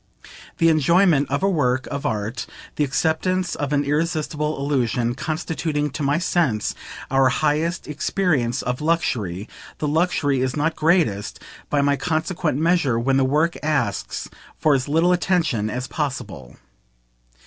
The enjoyment of a work of art, the acceptance of an irresistible illusion, constituting, to my sense, our highest experience of "luxury," the luxury is not greatest, by my consequent measure, when the work asks for as little attention as possible.